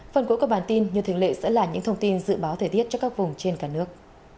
phần cuối của bản tin như thường lệ sẽ là những thông tin dự báo thời tiết cho các vùng trên cả nước